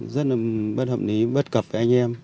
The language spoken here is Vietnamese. rất là bất hợp lý bất cập với anh em